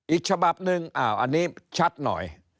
อีกฉบับหนึ่งอันนี้ชัดหน่อย